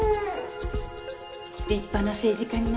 立派な政治家になって。